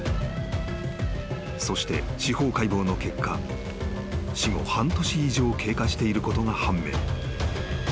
［そして司法解剖の結果死後半年以上経過していることが判明］